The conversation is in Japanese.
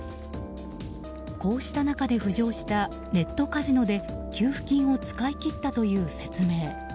こうした中で浮上したネットカジノで給付金を使い切ったという説明。